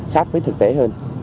sát với thực tế hơn